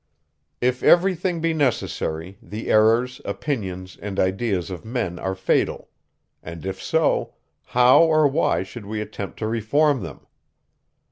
"If every thing be necessary, the errors, opinions, and ideas of men are fatal; and, if so, how or why should we attempt to reform them?"